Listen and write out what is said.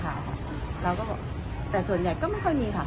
เราก็บอกแต่ส่วนใหญ่ก็ไม่ค่อยมีค่ะ